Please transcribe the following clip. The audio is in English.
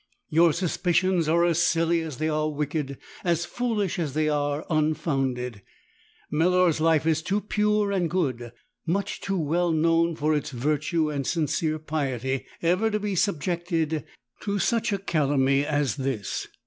Your suspicions are as silly as they are wicked, as foolish as they are unfounded. Melor's life is too pure and good, much too well known for its virtue and sincere piety, ever to be subjected to such a calumny as this.